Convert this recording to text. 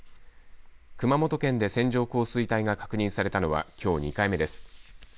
熊本県で線状降水帯が確認されたのはきょう２回目です。